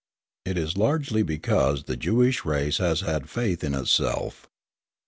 It is largely because the Jewish race has had faith in itself.